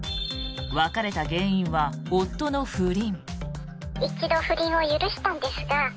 別れた原因は夫の不倫。